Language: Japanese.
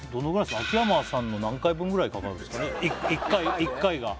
秋山さんの何回分ぐらいかかるんですか？